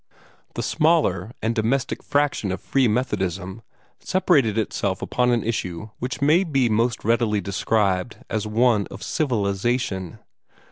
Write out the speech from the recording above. The smaller and domestic fraction of Free Methodism separated itself upon an issue which may be most readily described as one of civilization.